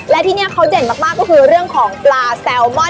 และที่นี่เขาเด่นมากก็คือเรื่องของปลาแซลมอน